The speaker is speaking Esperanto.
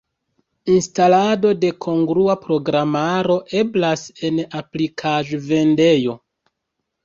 Instalado de kongrua programaro eblas en aplikaĵ-vendejo.